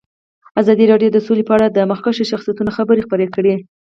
ازادي راډیو د سوله په اړه د مخکښو شخصیتونو خبرې خپرې کړي.